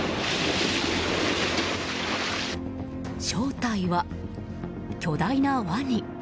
正体は、巨大なワニ。